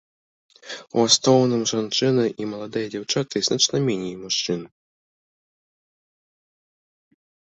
У асноўным жанчыны і маладыя дзяўчаты, значна меней мужчын.